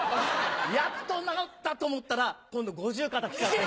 やっと治ったと思ったら今度五十肩来ちゃって。